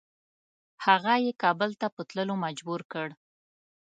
هغه یې کابل ته په تللو مجبور کړ.